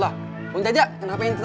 kamu bakal mati